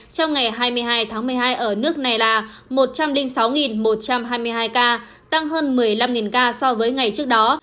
trong ngày hai mươi hai tháng một mươi hai ở nước này là một trăm linh sáu một trăm hai mươi hai ca tăng hơn một mươi năm ca so với ngày trước đó